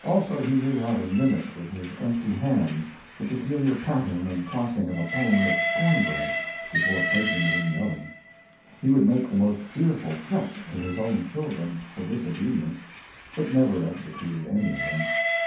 Also, he knew how to mimic with his empty hands the peculiar patting and tossing of a pone of corn bread before placing it in the oven. He would make the most fearful threats to his own children, for disobedience, but never executed any of them.